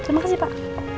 terima kasih pak